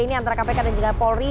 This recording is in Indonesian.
ini antara kpk dan juga polri